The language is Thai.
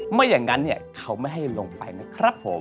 ไม่อย่างนั้นเนี่ยเขาไม่ให้ลงไปนะครับผม